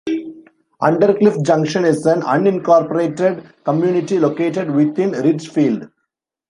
Undercliff Junction is an unincorporated community located within Ridgefield.